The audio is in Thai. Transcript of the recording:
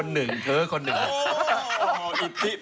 แล้วเคยเล่นราวนี่สิ่งนั้นไหม